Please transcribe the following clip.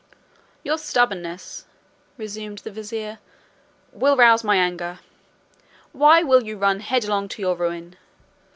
"Your stubbornness," resumed the vizier "will rouse my anger; why will you run headlong to your ruin?